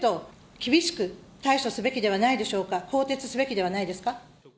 厳しく対処すべきではないでしょうか、更迭すべきではないですか。